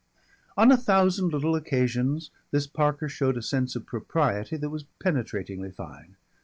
On a thousand little occasions this Parker showed a sense of propriety that was penetratingly fine.